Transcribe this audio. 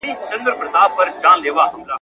غریب سړی ابلک یې سپی ,